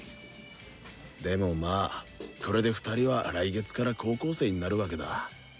でもまあこれで２人は来月から高校生になるわけだ。